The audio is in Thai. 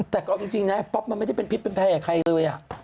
แต่ก็เอาจริงนะป๊อปมันไม่ได้เป็นพิษเป็นภัยกับใครเลย